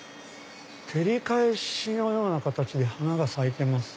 照り返しのような形で花が咲いてます。